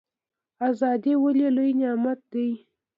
ازادي ولې لوی نعمت دی؟